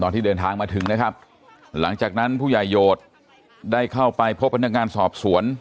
ที่เดินทางมาถึงนะครับหลังจากนั้นผู้ใหญ่โยชน์ได้เข้าไปพบพนักงานสอบสวน